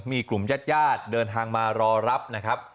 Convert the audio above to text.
มีกลุ่มญาติญาติเดินทางมารอรับนะครับ